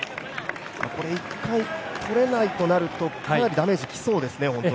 １回、とれないとなると、かなりダメージがきそうですね。